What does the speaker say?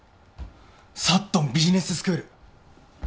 サットンビジネススクール。